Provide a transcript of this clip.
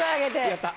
やった。